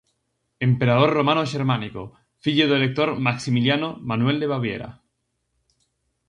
Emperador romano-xermánico, fillo do elector Maximiliano Manuel de Baviera.